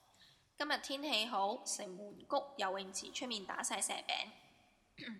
今日天氣好，城門谷游泳池出面打晒蛇餅。